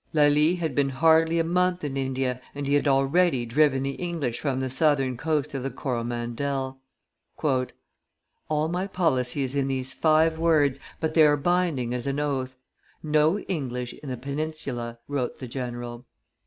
Lally had been hardly a month in India, and he had already driven the English from the southern coast of the Coromandel. "All my policy is in these five words, but they are binding as an oath No English in the peninsula," wrote the general.